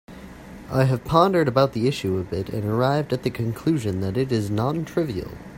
I have pondered about the issue a bit and arrived at the conclusion that it is non-trivial.